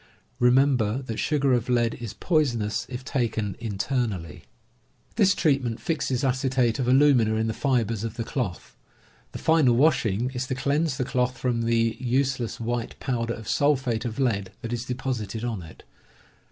Remember lat sugar of lead is poisonous if taken internally. 40 CAMPING AND WOODCRAFT This treatment fixes acetate of alumina in the fibers of the cloth. The final washing is to cleanse the cloth from the useless white powder of sulphate of lead that is deposited on it.